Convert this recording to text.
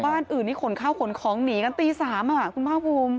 บ้านอื่นนี้ขนเข้าขนคลองหนีกันตี๓อ่ะคุณบ้างภูมิ